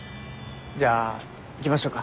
じゃあ行きましょうか。